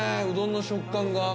うどんの食感が。